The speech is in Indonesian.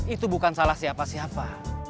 itu bukan salah siapa siapa